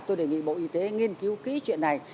tôi đề nghị bộ y tế nghiên cứu kỹ chuyện này